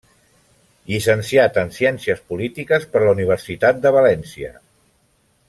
Llicenciat en ciències polítiques per la Universitat de València.